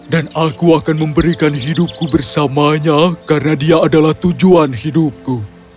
dan aku akan memberikan hidupku bersamanya karena dia adalah tujuan hidupku